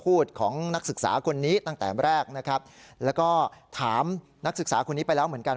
ของนักศึกษาคนนี้ตั้งแต่แรกนะครับแล้วก็ถามนักศึกษาคนนี้ไปแล้วเหมือนกัน